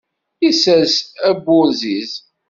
Yessers aburziz.